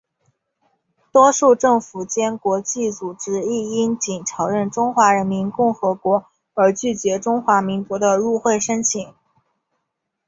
多数政府间国际组织亦因仅承认中华人民共和国而拒绝中华民国的入会申请。